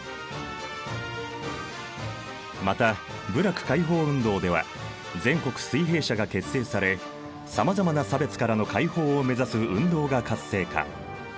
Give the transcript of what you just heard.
また部落解放運動では全国水平社が結成されさまざまな差別からの解放を目指す運動が活性化。